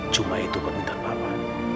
cuma itu permintaan papa